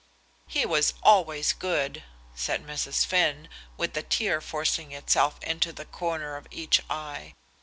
"He was always good," said Mrs. Finn, with a tear forcing itself into the corner of each eye.